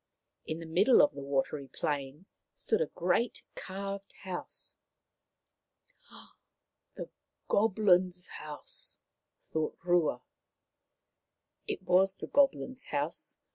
In the middle of the watery plain stood a great carved house. " The Goblins' house !" thought Rua. It was the Goblins' house.